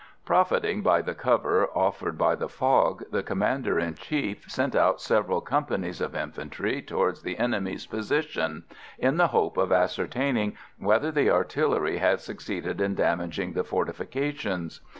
Profiting by the cover offered by the fog, the Commander in Chief sent out several companies of infantry towards the enemy's position, in the hope of ascertaining whether the artillery had succeeded in damaging the fortifications.